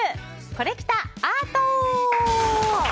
コレきたアート。